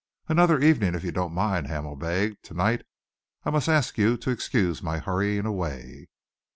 "Another evening, if you don't mind," Hamel begged. "To night I must ask you to excuse my hurrying away."